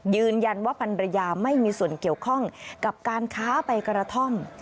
ยืนยันว่าพันรยาไม่มีส่วนเกี่ยวข้องกับการค้าใบกระท่อม